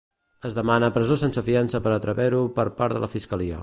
Es demana presó sense fiança per a Trapero per part de la Fiscalia.